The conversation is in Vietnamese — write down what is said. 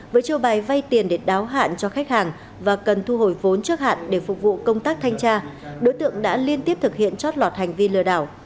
với chiêu bài vay tiền để đáo hạn cho khách hàng và cần thu hồi vốn trước hạn để phục vụ công tác thanh tra đối tượng đã liên tiếp thực hiện chót lọt hành vi lừa đảo